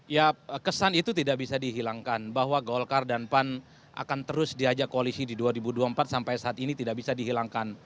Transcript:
ya kesan itu tidak bisa dihilangkan bahwa golkar dan pan akan terus diajak koalisi di dua ribu dua puluh empat sampai saat ini tidak bisa dihilangkan